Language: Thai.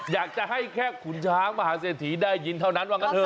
อยากจะให้แค่ขุนช้างมหาเศรษฐีได้ยินเท่านั้นว่างั้นเถ